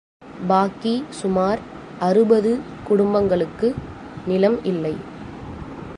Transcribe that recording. பாக்கி சுமார் அறுபது குடும்பங்களுக்கு நிலம் இல்லை.